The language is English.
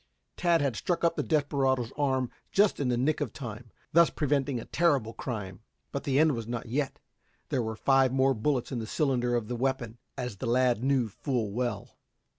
Tad had struck up the desperado's arm just in the nick of time, thus preventing a terrible crime. But the end was not yet. There were five more bullets in the cylinder of the weapon, as the lad knew full well.